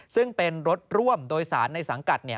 ซึ่งเป็นรถร่วมโดยสารในสังกัด